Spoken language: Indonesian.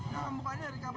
nah bukanya dari kamar